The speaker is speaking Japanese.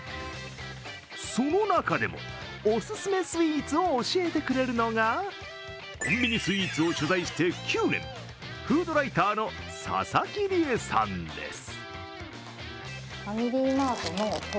その中でも、お勧めスイーツを教えてくれるのが、コンビニスイーツを取材して９年フードライターの笹木理恵さんです。